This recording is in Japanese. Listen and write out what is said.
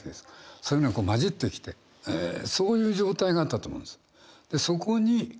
そういうのが混じってきてそういう状態があったと思うんです。